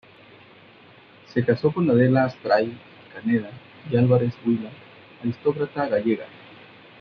Se casó con Adela Astray-Caneda y Álvarez-Builla, aristócrata gallega.